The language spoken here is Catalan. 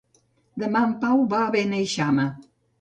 Demà en Pau va a Beneixama.